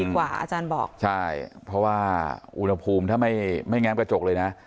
กว่าอาจารย์บอกใช่เพราะว่าอุณหภูมิถ้าไม่แง้มกระจกเลยนะ